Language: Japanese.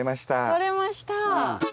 とれました。